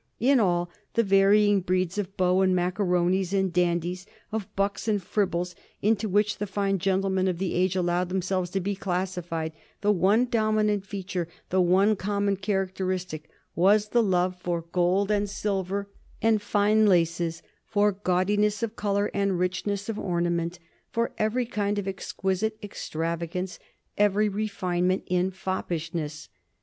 In all the varying breeds of beaux and macaronis and dandies, of bucks and fribbles, into which the fine gentlemen of the age allowed themselves to be classified, the one dominant feature, the one common characteristic, was the love for gold and silver and fine laces, for gaudiness of color and richness of ornament, for every kind of exquisite extravagance, every refinement in foppishness.